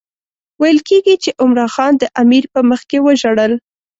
ویل کېږي چې عمرا خان د امیر په مخکې وژړل.